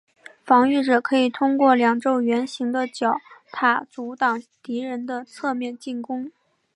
防御者可以通过两座圆形的角塔阻挡敌人的侧面进攻。